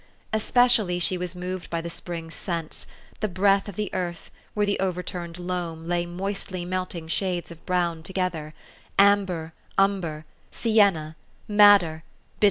Especially she was moved by the spring scents ; the breath of the earth, where the overturned loam lay moistly melting shades of brown together, amber, umber, sienna, mad 140 THE STORY OF AVIS.